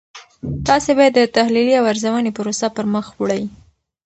تاسې باید د تحلیلي او ارزونې پروسه پرمخ وړئ.